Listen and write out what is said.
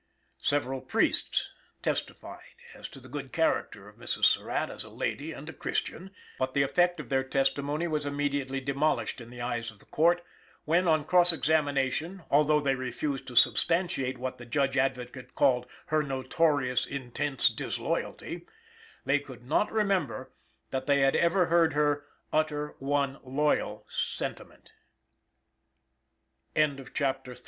Several priests testified as to the good character of Mrs. Surratt as a lady and a christian, but the effect of their testimony was immediately demolished in the eyes of the Court, when, on cross examination, although they refused to substantiate what the Judge Advocate called "her notorious intense disloyalty," they could not remember that they had ever heard her "utter one loyal sentiment." Chapter IV. ARGUMENTS FOR THE DEFENSE. The testimony for the several defenses of the